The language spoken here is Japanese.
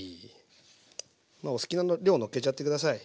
お好きな量のっけちゃって下さい。